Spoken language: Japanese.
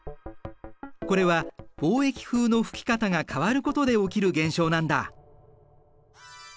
これは貿易風の吹き方が変わることで起きる現象なんだ。